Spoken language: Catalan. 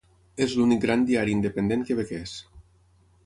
És l'únic gran diari independent quebequès.